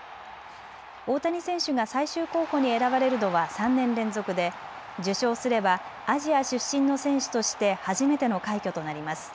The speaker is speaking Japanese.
大谷選手が最終候補に選ばれるのは３年連続で受賞すればアジア出身の選手として初めての快挙となります。